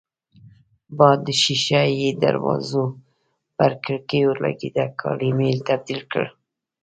باد د شېشه يي دروازو پر کړکېو لګېده، کالي مې تبدیل کړل.